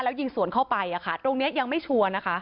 แล้วยิงสวนเข้าไปตรงนี้ยังไม่ชัวร์นะคะ